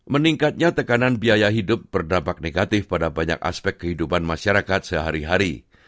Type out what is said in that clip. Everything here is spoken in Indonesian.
meningkatnya tekanan biaya hidup berdampak negatif pada banyak aspek kehidupan masyarakat sehari hari